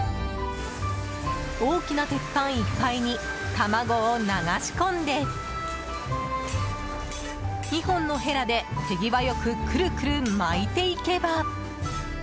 大きな鉄板いっぱいに卵を流し込んで２本のヘラで手際良くクルクル巻いていけば。